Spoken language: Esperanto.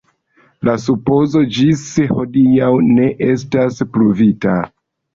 La supozo ĝis hodiaŭ ne estas pruvita.